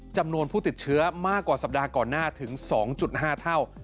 จำนวนผู้ติดเชื้อมากกว่าสัปดาห์ก่อนหน้าถึง๒๕เท่า